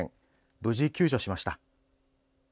無事救助しました。